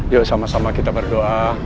yuk sama sama kita berdoa